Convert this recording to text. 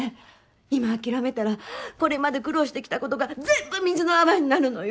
今諦めたらこれまで苦労してきたことが全部水の泡になるのよ？